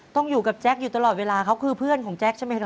ต้องอยู่กับแจ๊คอยู่ตลอดเวลาเขาคือเพื่อนของแจ๊คใช่ไหมครับ